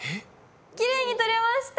きれいにとれました。